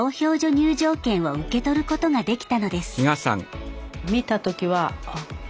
入場券を受け取ることができたのです。